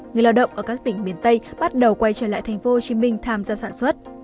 người lao động ở các tỉnh miền tây bắt đầu quay trở lại thành phố hồ chí minh tham gia sản xuất